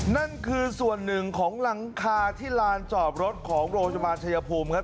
นั่นคือส่วนหนึ่งของหลังคาที่ลานจอดรถของโรงพยาบาลชายภูมิครับ